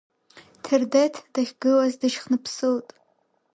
Ҭердеҭ дахьгылаз дышьхныԥсылт.